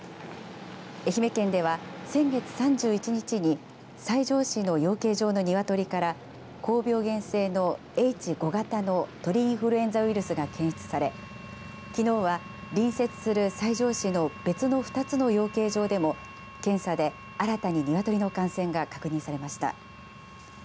愛媛県では先月３１日に西条市の養鶏場のニワトリから高病原性のＨ５型の鳥インフルエンザウイルスが検出されきのうは、隣接する西条市の別の２つの養鶏場でも検査で新たにニワトリの感染が確認されました。